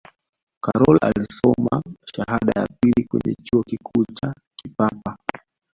karol alisoma shahada ya pili kwenye chuo kikuu cha kipapa